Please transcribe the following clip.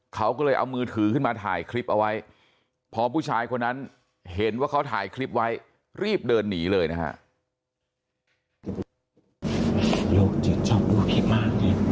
เขาก็เลยเอามือถือขึ้นมาถ่ายคลิปเอาไว้พอผู้ชายคนนั้นเห็นว่าเขาถ่ายคลิปไว้รีบเดินหนีเลยนะฮะ